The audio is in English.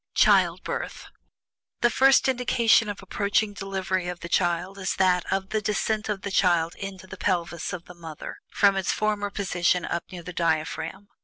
CHILDBIRTH. The first indication of approaching delivery of the child is that of the descent of the child into the pelvis of the mother, from its former position up near the diaphragm.